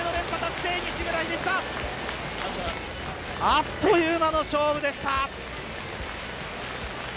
あっという間の勝負でした。